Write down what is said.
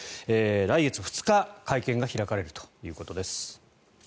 来月２日会見が開かれるということです。